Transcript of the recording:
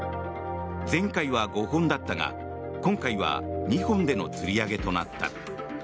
前回は５本だったが今回は２本でのつり上げとなった。